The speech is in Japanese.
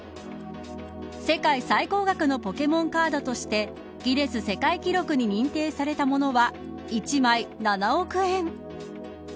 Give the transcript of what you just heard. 世界最高額のポケモンカードとしてギネス世界記録に認定されたものは１枚７億円。